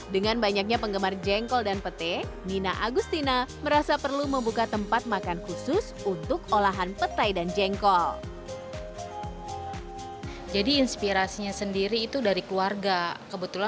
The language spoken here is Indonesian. dengan banyaknya penggemar jengkol dan petai nina agustina merasa perlu membuka tempat makan khusus untuk olahan petai dan jengkol